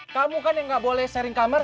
kamu kan yang gak boleh sharing kamar